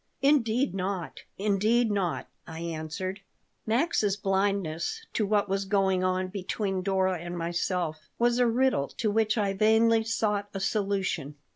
"Indeed not. Indeed not," I answered Max's blindness to what was going on between Dora and myself was a riddle to which I vainly sought a solution.